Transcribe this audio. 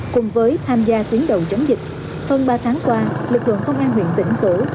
cùng với tham gia tuyến đầu chống dịch hơn ba tháng qua lực lượng công an huyện vĩnh cửu